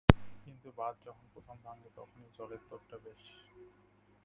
কিন্তু বাঁধ যখন প্রথম ভাঙে তখনই জলের তোড়টা হয় বেশি।